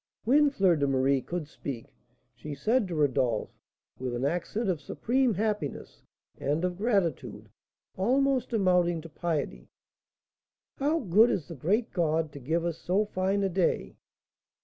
When Fleur de Marie could speak, she said to Rodolph, with an accent of supreme happiness and of gratitude, almost amounting to piety: "How good is the great God to give us so fine a day!"